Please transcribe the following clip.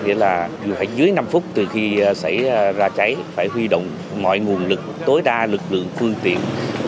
nghĩa là phải dưới năm phút từ khi xảy ra cháy phải huy động mọi nguồn lực tối đa lực lượng phương tiện